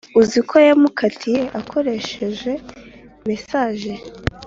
uziko yamukatiye akoresheje message